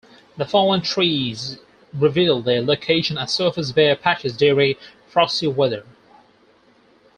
The fallen trees revealed their location as surface bare patches during frosty weather.